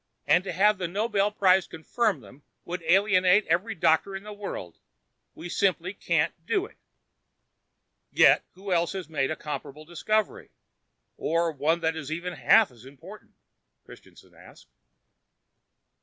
And to have the Nobel Prize confirm them would alienate every doctor in the world. We simply can't do it." "Yet who else has made a comparable discovery? Or one that is even half as important?" Christianson asked.